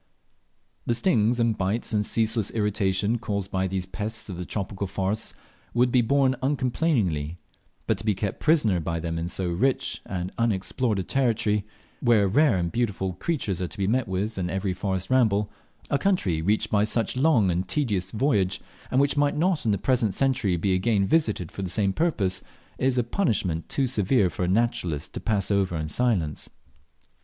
The stings and bites and ceaseless irritation caused by these pests of the tropical forests, would be borne uncomplainingly; but to be kept prisoner by them in so rich and unexplored a country where rare and beautiful creatures are to be met with in every forest ramble a country reached by such a long and tedious voyage, and which might not in the present century be again visited for the same purpose is a punishment too severe for a naturalist to pass over in silence.